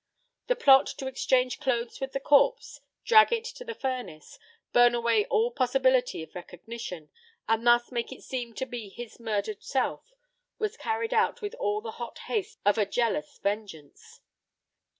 The plot to exchange clothes with the corpse, drag it to the furnace, burn away all possibility of recognition, and thus make it seem to be his murdered self, was carried out with all the hot haste of a jealous vengeance.